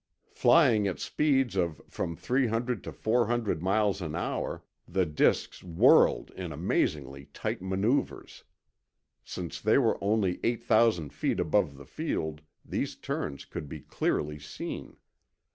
Flying at speeds of from three to four hundred miles an hour, the disks whirled in amazingly tight maneuvers. Since they were only eight thousand feet above the field, these turns could be clearly seen.